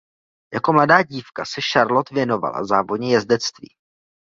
Jako mladá dívka se Charlotte věnovala závodně jezdectví.